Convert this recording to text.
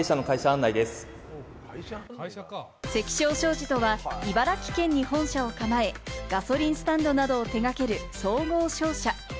関彰商事とは、茨城県に本社を構え、ガソリンスタンドなどを手掛ける総合商社。